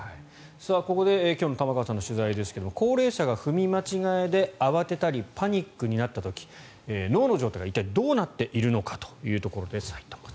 ここで今日の玉川さんの取材ですが高齢者が踏み間違えで慌てたりパニックになった時脳の状態が一体どうなっているのかということです。